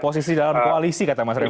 posisi dalam koalisi kata mas revo